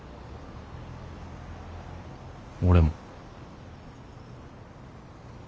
俺も。